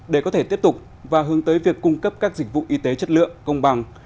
để có thể tiếp tục và hướng tới việc cung cấp các dịch vụ y tế chất lượng công bằng